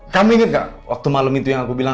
kamu inget gak waktu malam itu yang aku bilang